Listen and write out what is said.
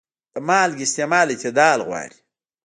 د مالګې استعمال اعتدال غواړي.